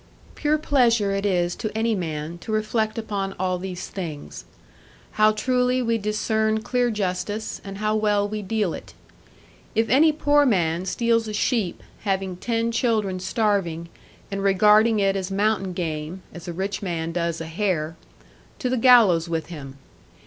Pure pleasure it is to any man, to reflect upon all these things. How truly we discern clear justice, and how well we deal it. If any poor man steals a sheep, having ten children starving, and regarding it as mountain game (as a rich man does a hare), to the gallows with him.